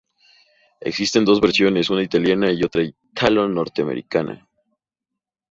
Existen dos versiones, una italiana y otra italo-norteamericana.